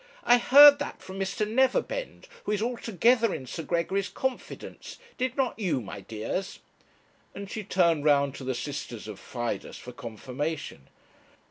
'I heard that from Mr. Neverbend, who is altogether in Sir Gregory's confidence did not you, my dears?' and she turned round to the sisters of Fidus for confirmation.